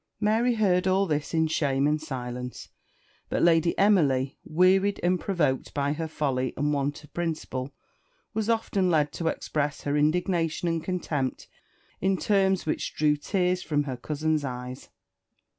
Mary heard all this in shame and silence; but Lady Emily, wearied and provoked by her folly and want of principle, was often led to express her indignation and and contempt in terms which drew tears from her cousin's eyes.